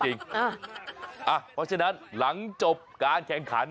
เพราะฉะนั้นหลังจบการแข่งขัน